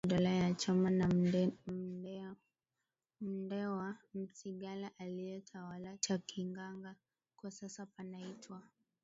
Milimani chini ya Dola ya Choma na Mndewa Msigala aliyetawala Chikangaga kwa sasa panaitwa